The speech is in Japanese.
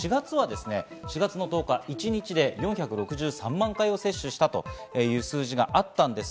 ４月１０日、一日で４６３万回接種したという数字があります。